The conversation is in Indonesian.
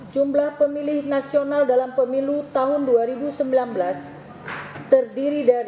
jumlah pemilih dalam satu ke depan